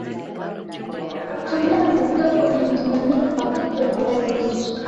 Tumia maziwa kwenyemchanganyiko wa keki ya viazi lishe